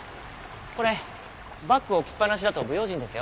これバッグ置きっぱなしだと不用心ですよ。